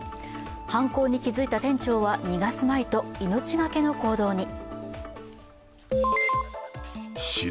犯行に気づいた店長は逃がすまいと、命懸けの行動に。